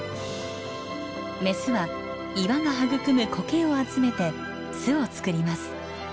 メスは岩が育むコケを集めて巣を作ります。